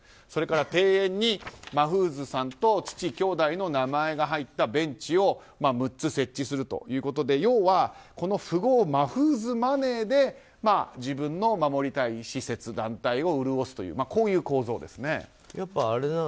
それから庭園にマフーズ氏と父、兄弟の名前が入ったベンチを６つ設置するということで要は富豪マフーズマネーで自分の守りたい施設、団体を潤すという構造ですね。